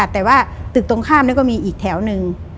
แต่ว่าตึกตรงข้ามก็มีอีกแถวหนึ่ง